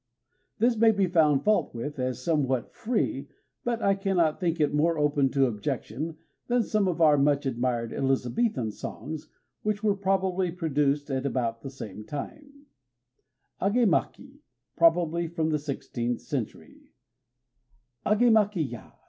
This may be found fault with as somewhat "free"; but I cannot think it more open to objection than some of our much admired Elizabethan songs which were probably produced at about the same time: AGÉMAKI (Probably from the sixteenth century) Agémaki ya!